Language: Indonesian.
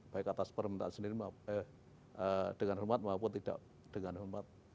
baik atas permintaan sendiri dengan hormat maupun tidak dengan hormat